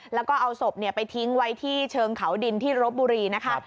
แล้วก็เอาศพไปทิ้งไว้ที่เชิงเขาดินที่รบบุรีนะคะ